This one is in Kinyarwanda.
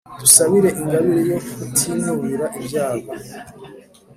dusabe ingabire yo kutinubira ibyago.